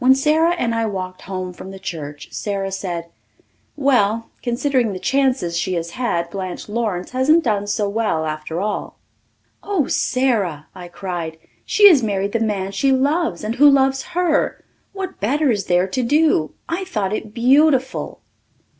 When Sara and I walked home from the church Sara said, "Well, considering the chances she has had, Blanche Lawrence hasn't done so well after all." "Oh, Sara," I cried, "she has married the man she loves and who loves her. What better is there to do? I thought it beautiful."